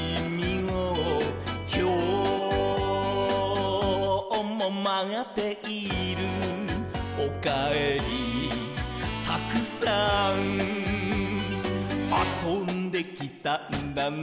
「きょうもまっている」「おかえりたくさん」「あそんできたんだね」